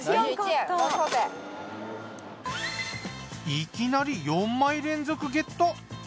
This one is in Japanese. いきなり４枚連続ゲット！